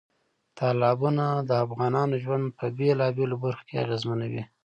تالابونه د افغانانو ژوند په بېلابېلو برخو کې اغېزمنوي.